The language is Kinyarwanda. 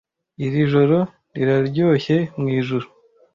iri joro riraryoshye mwijuru